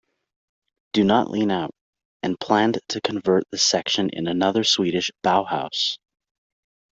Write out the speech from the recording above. Do Not Lean Out", and planned to convert the section in another Swedish "Bauhaus".